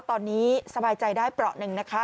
ตอนนี้สไพรใจได้ปเป๋าเอนึงนะคะ